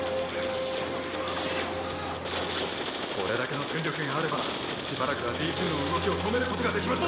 これだけの戦力があればしばらくはＤ２の動きを止めることができます！